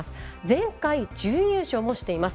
前回、準優勝もしています。